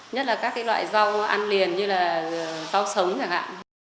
nhất là các loại rau ăn liền như là rau sống chẳng hạn